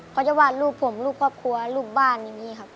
เขาจะวาดรูปผมรูปครอบครัวรูปบ้านอย่างนี้ครับ